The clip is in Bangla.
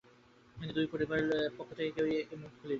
কিন্তু দুই পরিবারের পক্ষ থেকে কেউই এত দিন মুখ খোলেননি।